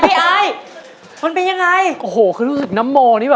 ดีทันที่